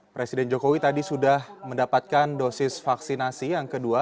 presiden jokowi tadi sudah mendapatkan dosis vaksinasi yang kedua